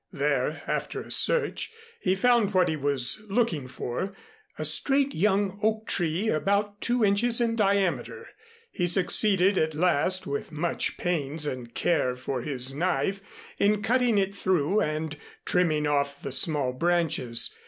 There, after a search, he found what he was looking for a straight young oak tree, about two inches in diameter. He succeeded at last, with much pains and care for his knife, in cutting it through and trimming off the small branches.